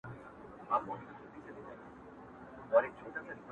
زړه راته زخم کړه ـ زارۍ کومه ـ